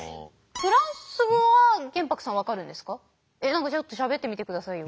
何かちょっとしゃべってみてくださいよ。